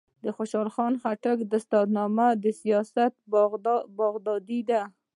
د خوشحال خان خټک دستارنامه د سیاست بغدادي ده.